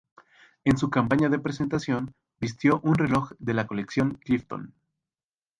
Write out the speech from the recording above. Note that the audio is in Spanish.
En su campaña de presentación, vistió un reloj de la colección Clifton.